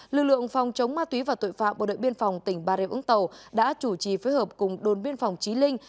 lực lượng phòng chống ma túy và tội phạm bộ đội biên phòng tỉnh bà rịa úng tàu đã chủ trì phối hợp cùng đồn biên phòng trí linh